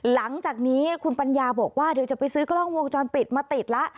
หลังจากนี้คุณปัญญาบอกว่าเดี๋ยวจะไปซื้อกล้องวงจรปิดมาติดแล้ว